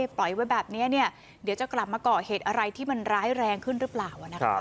ปล่อยไว้แบบนี้เดี๋ยวจะกลับมาก่อเหตุอะไรที่มันร้ายแรงขึ้นหรือเปล่า